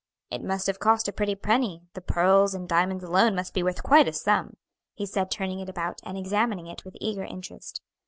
"It must have cost a pretty penny; the pearls and diamonds alone must be worth quite a sum," he said, turning it about and examining it with eager interest.